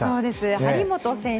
張本選手